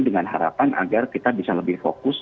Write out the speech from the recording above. dengan harapan agar kita bisa lebih fokus